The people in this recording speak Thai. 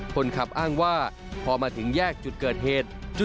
คนขับอ้างว่าพอมาถึงแยกจุดเกิดเหตุ